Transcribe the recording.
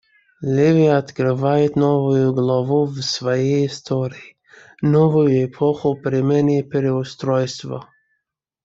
Ливия открывает новую главу в своей истории — новую эпоху перемен и переустройства.